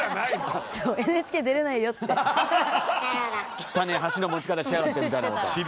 きったねえ箸の持ち方しやがってみたいなことを？